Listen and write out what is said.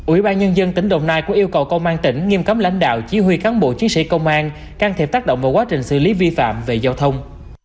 ủy ban nhân dân tỉnh đồng nai cũng yêu cầu công an tỉnh nghiêm cấm lãnh đạo chỉ huy cán bộ chiến sĩ công an can thiệp tác động vào quá trình xử lý vi phạm về giao thông